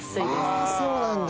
ああそうなんだ。